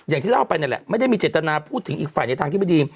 อย่างที่เล่าไปนั่นแหละไม่ได้มีเจตนาพูดถึงอีกฝ่ายในทางที่ไม่ดี